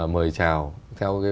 mời chào theo